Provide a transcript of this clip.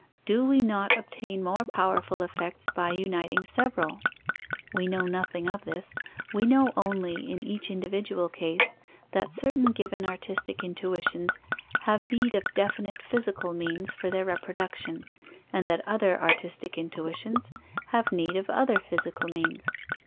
Do we not obtain more powerful effects by uniting several? We know nothing of this: we know only, in each individual case, that certain given artistic intuitions have need of definite physical means for their reproduction, and that other artistic intuitions have need of other physical means.